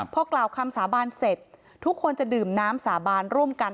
พอกล่าวคำสาบานเสร็จทุกคนจะดื่มน้ำสาบานร่วมกัน